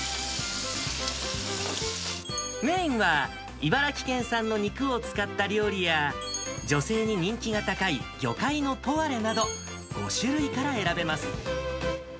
メインは、茨城県産の肉を使った料理や、女性に人気が高い魚介のポワレなど、５種類から選べます。